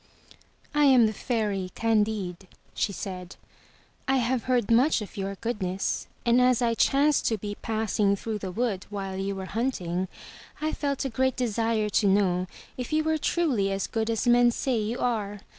*T am the Fairy Candide,'* she said. 'T have heard much of your goodness, and as I chanced to be passing through the wood while you were hunting, I felt a great desire to know if you were truly as good as men say you are.